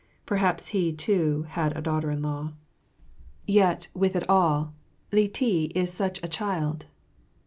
Perhaps he, too, had a daughter in law. Yet, with it all, Li ti is such a child.